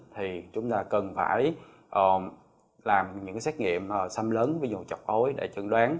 thì chúng ta cần phải làm những cái xét nghiệm xăm lớn ví dụ chọc ối để chứng đoán